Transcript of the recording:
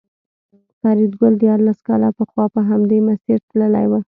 فریدګل دیارلس کاله پخوا په همدې مسیر تللی و